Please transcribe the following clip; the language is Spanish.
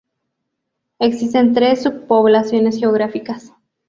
Existen tres subpoblaciones geográficas.